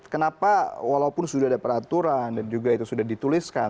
ya ini kan sudah ada peraturan juga itu sudah dituliskan